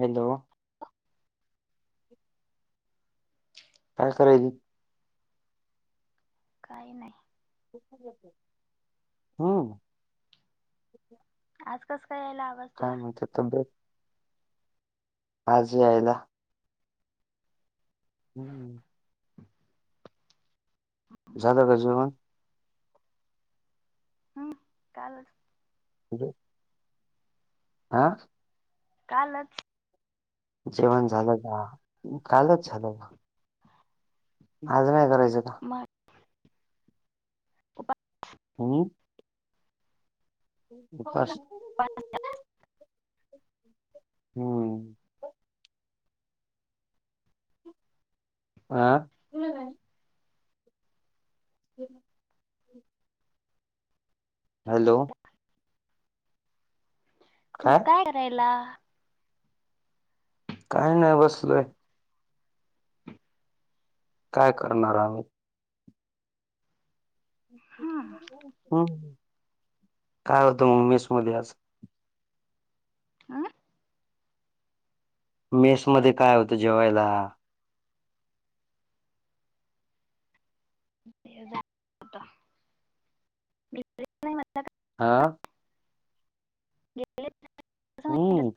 Hello. काय करायच. काही नाही. हम्म. आज कस काय यायला आवाज. तुला काय म्हणते तबेत. आज आहेयला. हुम्म. झालं का जेवन. का बरं. हो [unintelligible] आ. कालच. जेवण झालं का कालच झालं बघ. आज नाही करायचं का. मा तुपा [inaudible] हुम. उपाशी. हा हा [inaudible] बोल की. हुम्म. आ. येत नाही. हॅलो. तू काय करायला. काही नाही बसलय. काय करणार आहोत. हम्म हम् काय होतं मेश मध्ये आज. आं. मेस मध्ये काय होतं जेवायला. हो नाही म [inaudible] हा. हु.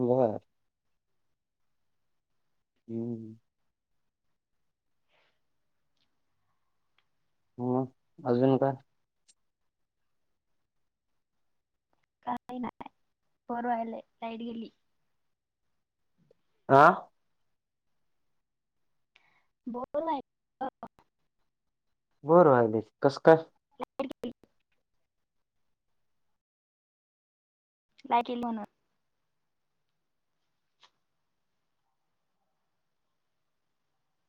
नको मला. हम्म. मग अजून काय. काही नाही बरवायला लाईट गेली. आ. बोर व्हायले. बोर व्हायले कस काय. [inaudible] बाय की लोणार.